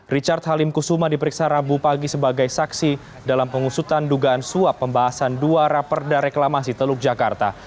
richard halim kusuma diperiksa rabu pagi sebagai saksi dalam pengusutan dugaan suap pembahasan dua raperda reklamasi teluk jakarta